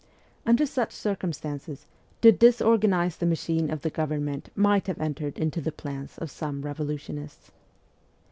Under such circumstances, to disorganize the machine of the government might have entered into the plans of some revolutionists.